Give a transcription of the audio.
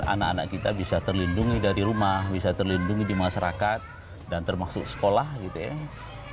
anak anak kita bisa terlindungi dari rumah bisa terlindungi di masyarakat dan termasuk sekolah gitu ya